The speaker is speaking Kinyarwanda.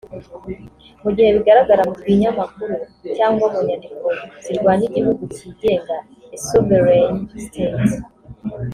mu gihe bigaragara mu binyamakuru cyangwa mu nyandiko zirwanya igihugu kigenga (a sovereign state)